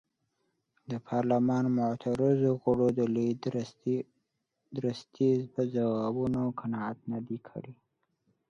د پارلمان معترضو غړو د لوی درستیز په ځوابونو قناعت نه دی کړی.